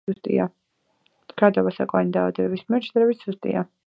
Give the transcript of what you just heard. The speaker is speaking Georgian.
მდგრადობა სოკოვანი დაავადებების მიმართ, შედარებით სუსტია.